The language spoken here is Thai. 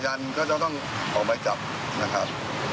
อย่างนั้นก็จะต้องออกมาจับนะครับ